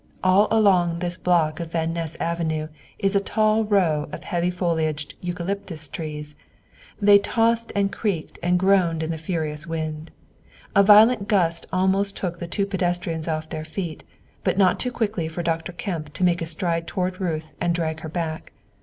All along this block of Van Ness Avenue is a row of tall, heavy foliaged eucalyptus trees; they tossed and creaked and groaned in the furious wind. A violent gust almost took the two pedestrians off their feet, but not too quickly for Dr. Kemp to make a stride toward Ruth and drag her back.